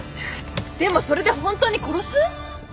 でもそれでホントに殺す？